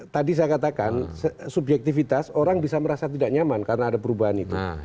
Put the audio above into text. tadi saya katakan subjektivitas orang bisa merasa tidak nyaman karena ada perubahan itu